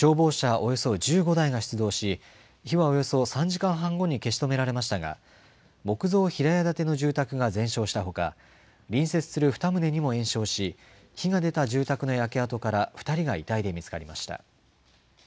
およそ１５台が出動し、火はおよそ３時間半後に消し止められましたが、木造平屋建ての住宅が全焼したほか、隣接する２棟にも延焼し、火が出た住宅の焼け跡から２人が遺体で見つかりました。